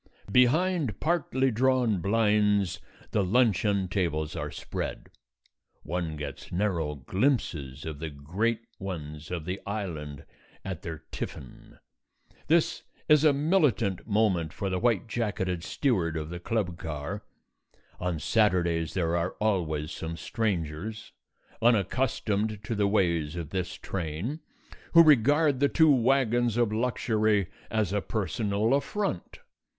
Behind partly drawn blinds the luncheon tables are spread; one gets narrow glimpses of the great ones of the Island at their tiffin. This is a militant moment for the white jacketed steward of the club car. On Saturdays there are always some strangers, unaccustomed to the ways of this train, who regard the two wagons of luxury as a personal affront.